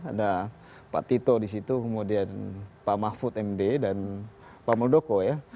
ada pak tito di situ kemudian pak mahfud md dan pak muldoko ya